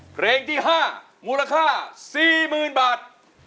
เพลงที่๕มูลค่า๔๐๐๐บาท